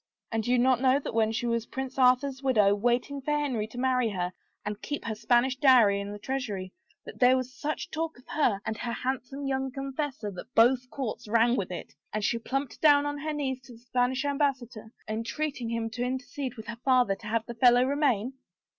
And do you not know that when she was Prince Arthur's widow, waiting for Henry to marry her and keep her Spanish dowry in his treasury, that there was such talk of her and her handsome young confessor that both courts rang with it, and she plumped down on her knees to the Spanish ambassador, entreating him to intercede with her father to have the fellow remain